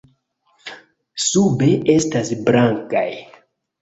Sube estas blankaj.